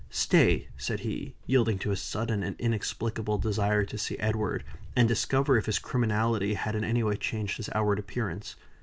Stay!" said he, yielding to a sudden and inexplicable desire to see Edward, and discover if his criminality had in any way changed his outward appearance.